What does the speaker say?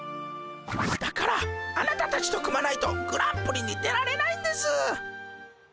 だからあなたたちと組まないとグランプリに出られないんです。